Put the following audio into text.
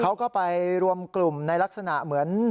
เขาก็ไปรวมกลุ่มในลักษณะเหมือน